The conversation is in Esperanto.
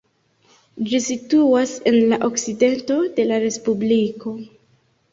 Ĝi situas en la okcidento de la respubliko.